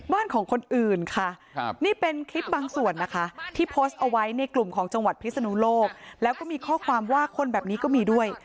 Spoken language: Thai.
ของคนอื่นค่ะนี่เป็นคลิปบางส่วนนะคะที่โพสต์เอาไว้ในกลุ่มของจังหวัดพิศนุโลกแล้วก็มีข้อความว่าคนแบบนี้ก็มีด้วย